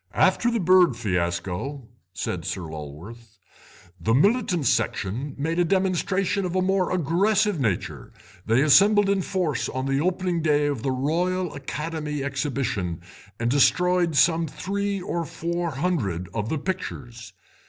"After the bird fiasco," said Sir Lulworth, "the militant section made a demonstration of a more aggressive nature; they assembled in force on the opening day of the Royal Academy Exhibition and destroyed some three or four hundred of the pictures.